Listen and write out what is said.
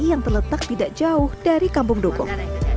yang terletak tidak jauh dari kampung dukung